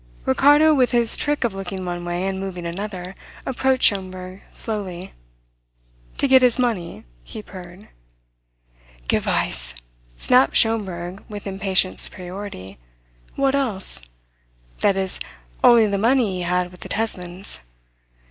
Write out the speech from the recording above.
Ricardo, with his trick of looking one way and moving another approached Schomberg slowly. "To get his money?" he purred. "Gewiss," snapped Schomberg with impatient superiority. "What else? That is, only the money he had with the Tesmans.